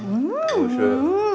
おいしい！